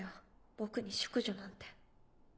僕に淑女なんて。